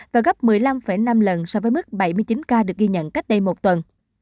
và gấp một mươi năm năm lần so với mức bảy mươi chín ca được ghi nhận cách đây một tuần